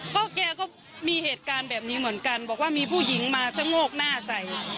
ก็แกก็มีเหตุการณ์แบบนี้เหมือนกันบอกว่ามีผู้หญิงมาชะโงกหน้าใส่